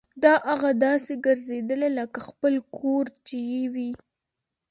داه اغه داسې ګرځېدله لکه خپل کور چې يې وي.